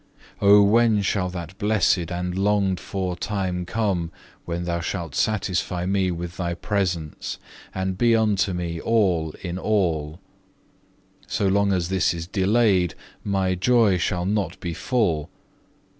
Oh when shall that blessed and longed for time come when Thou shalt satisfy me with Thy presence, and be unto me All in all? So long as this is delayed, my joy shall not be full.